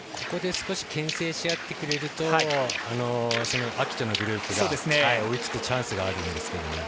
ここで少しけん制しあってくれると暁斗のグループが追いつくチャンスがあるんですけど。